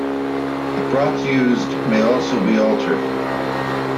The props used may also be altered.